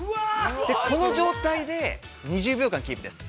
この状態で、２０秒間キープです。